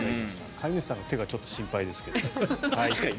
飼い主さんの手がちょっと心配ですけど。